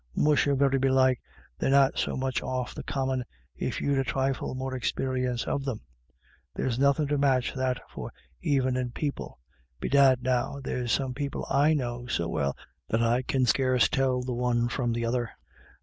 Musha, very belike they're not so much off the common, if you'd a thrifle more experience of them; there's nothin' to match that for evenin' people. Bedad, now, there's some people / know so well that I can scarce tell the one from the other."